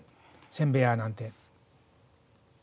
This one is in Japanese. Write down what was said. せんべい屋なんて。